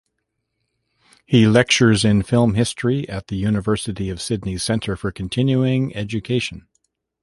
He lectures in film history at the University of Sydney's Centre for Continuing Education.